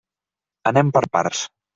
Anem per parts.